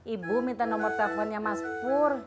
ibu minta nomor teleponnya mas pur